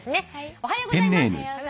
おはようございます。